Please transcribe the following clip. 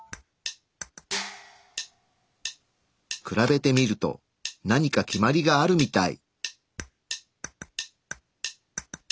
比べてみると何か決まりがあるみたい。